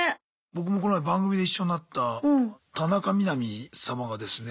僕もこの前番組で一緒になった田中みな実様がですね。